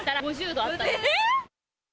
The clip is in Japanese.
えっ？